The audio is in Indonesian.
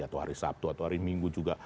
atau hari sabtu atau hari minggu juga